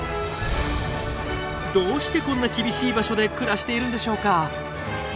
どうしてこんな厳しい場所で暮らしているんでしょうか？